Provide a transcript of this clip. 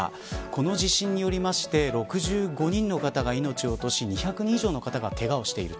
この地震によりまして６５人の方が命を落とし２００人以上の方がけがをしている。